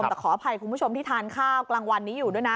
แต่ขออภัยคุณผู้ชมที่ทานข้าวกลางวันนี้อยู่ด้วยนะ